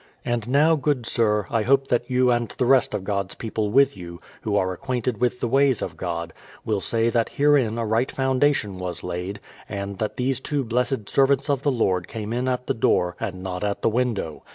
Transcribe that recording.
And now, good Sir, I hope that you and the rest of God's people with you, who are acquainted with the ways of God, will say that herein a right foundation w^as laid, and that these two blessed servants of the Lord came in at the door, and not at the window.